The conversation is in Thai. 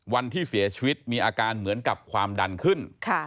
วันที่เสียชีวิตมีอาการเหมือนกับความดันขึ้น